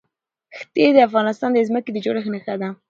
ښتې د افغانستان د ځمکې د جوړښت نښه ده.